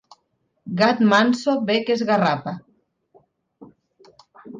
Gat manso ve que esgarrapa.